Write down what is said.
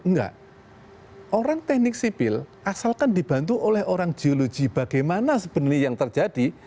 enggak orang teknik sipil asalkan dibantu oleh orang geologi bagaimana sebenarnya yang terjadi